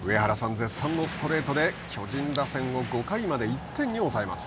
絶賛のストレートで巨人打線を５回まで１点に抑えます。